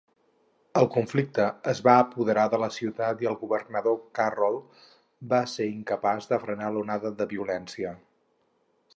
El conflicte es va apoderar de la ciutat i el governador Carroll va ser incapaç de frenar l'onada de violència.